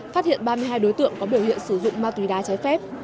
phát hiện ba mươi hai đối tượng có biểu hiện sử dụng ma túy đá trái phép